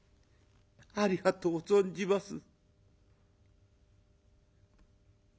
ありがとう存じます」。